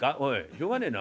しょうがねえな。